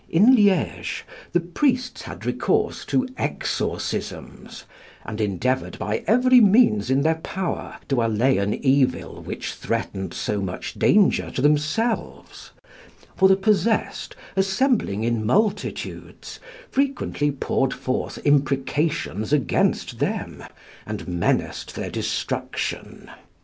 In Liege the priests had recourse to exorcisms, and endeavoured by every means in their power to allay an evil which threatened so much danger to themselves; for the possessed assembling in multitudes, frequently poured forth imprecations against them, and menaced their destruction.